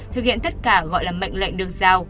thực hiện tất cả gọi là mệnh lệnh được giao